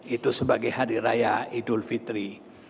itu sebagai hari raya idul fitri